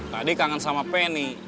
tadi kangen sama feni